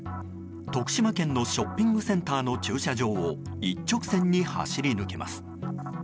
徳島県のショッピングセンターの駐車場を一直線に走り抜けます。